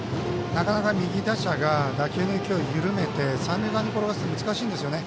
なかなか右打者が打球の勢いを緩めて三塁側に転がすのは難しいんですよね。